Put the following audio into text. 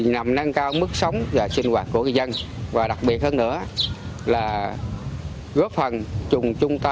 nằm năng cao mức sống và sinh hoạt của người dân và đặc biệt hơn nữa là góp phần chung chúng ta